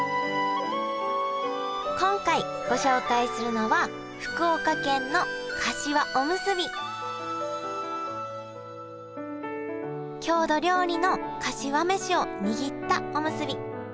今回ご紹介するのは郷土料理のかしわ飯を握ったおむすび。